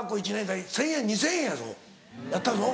１０００円２０００円やったぞ。